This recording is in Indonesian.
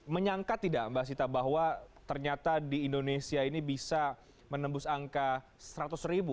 menyangka tidak mbak sita bahwa ternyata di indonesia ini bisa menembus angka seratus ribu